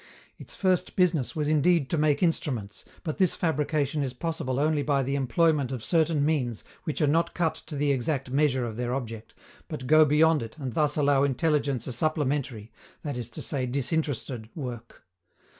Its first business was indeed to make instruments, but this fabrication is possible only by the employment of certain means which are not cut to the exact measure of their object, but go beyond it and thus allow intelligence a supplementary that is to say disinterested work.